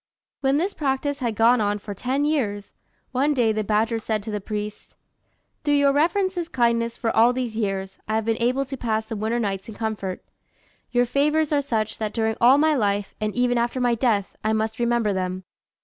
When this practice had gone on for ten years, one day the badger said to the priest, "Through your reverence's kindness for all these years, I have been able to pass the winter nights in comfort. Your favours are such, that during all my life, and even after my death, I must remember them.